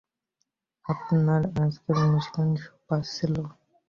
আপনার আজকের অনুষ্ঠান সুপার ছিলো!